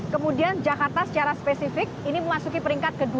kemudian jakarta secara spesifik ini memasuki peringkat kedua